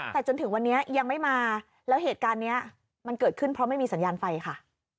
แต่จนถึงวันนี้ยังไม่มาแล้วเหตุการณ์นี้มันเกิดขึ้นเพราะไม่มีสัญญาณไฟค่ะ